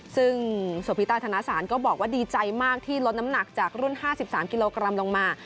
ซึ่งสวพิต้าธนสารก็บอกว่าดีใจมากที่ลดน้ำหนักจากรุ่น๕๓กิโลกรัมลงมา